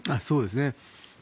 そうですね。